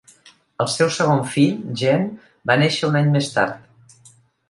El seu segon fill, Gen, va néixer un any més tard.